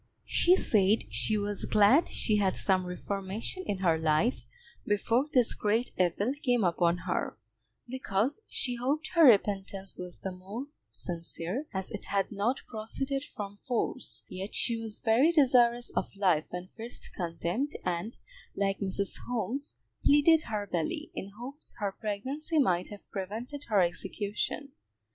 She said she was glad she had some reformation in her life before this great evil came upon her, because she hoped her repentance was the more sincere as it had not proceeded from force; yet she was very desirous of life when first condemned, and, like Mrs. Holmes, pleaded her belly, in hopes her pregnancy might have prevented her execution.